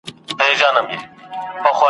په تعویذ کي یو عجب خط وو لیکلی `